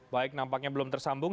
baik nampaknya belum tersambung